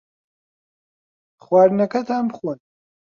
خواردنەکەتان بخۆن.